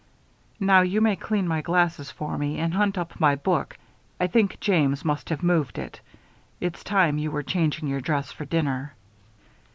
Now you may clean my glasses for me and hunt up my book; I think James must have moved it. It's time you were changing your dress for dinner."